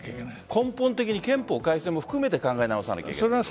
根本的に、憲法改正も含めて考え直さなきゃいけない。